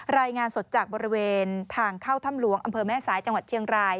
รายงานสดจากบริเวณทางเข้าถ้ำหลวงอำเภอแม่สายจังหวัดเชียงราย